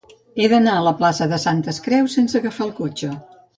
He d'anar a la plaça de Santes Creus sense agafar el cotxe.